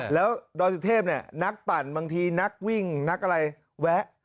แล้วดอยสุเทพเนี่ยนักปั่นบางทีนักวิ่งนักอะไรแวะ